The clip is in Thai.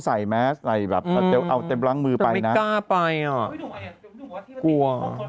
แมสใส่แบบเอาเต็มล้างมือไปนะกล้าไปอ่ะกลัว